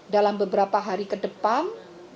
dalam beberapa hari ke depan